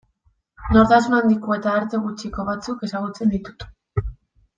Nortasun handiko eta arte gutxiko batzuk ezagutzen ditut.